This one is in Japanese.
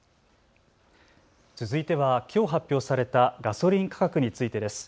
続いてはきょう発表されたガソリン価格についてです。